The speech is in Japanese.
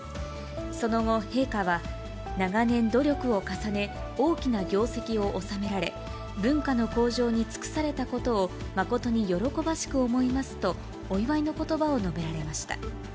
その後、陛下は、長年、努力を重ね、大きな業績を収められ、文化の向上に尽くされたことを、誠に喜ばしく思いますと、お祝いのことばを述べられました。